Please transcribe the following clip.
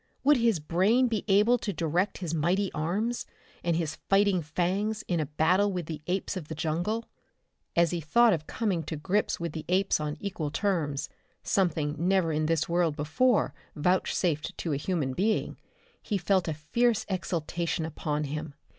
Would his brain be able to direct his mighty arms and his fighting fangs in a battle with the apes of the jungle? As he thought of coming to grips with the apes on equal terms, something never in this world before vouchsafed to a human being, he felt a fierce exaltation upon him.